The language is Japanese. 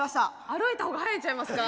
歩いた方が早いんちゃいますか？